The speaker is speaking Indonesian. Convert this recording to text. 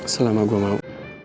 selama gue mau